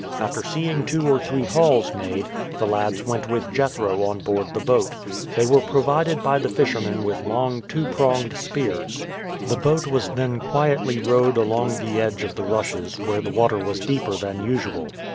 After seeing two or three hauls made, the lads went with Jethro on board the boat. They were provided by the fishermen with long two pronged spears. The boat was then quietly rowed along the edge of the rushes, where the water was deeper than usual.